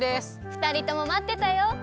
ふたりともまってたよ！